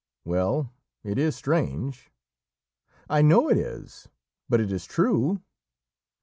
"Well, it is strange." "I know it is; but it is true.